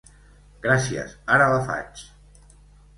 Gràcies, ara la faig!